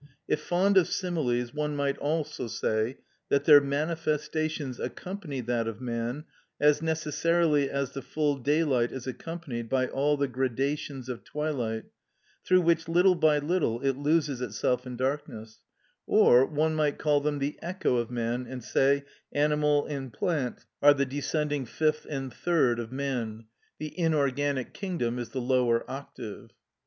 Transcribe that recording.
If fond of similes, one might also say that their manifestations accompany that of man as necessarily as the full daylight is accompanied by all the gradations of twilight, through which, little by little, it loses itself in darkness; or one might call them the echo of man, and say: Animal and plant are the descending fifth and third of man, the inorganic kingdom is the lower octave.